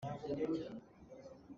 Micheu cu an thi, micheu an nung.